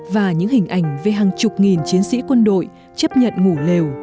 và những hình ảnh về hàng chục nghìn chiến sĩ quân đội chấp nhận ngủ lều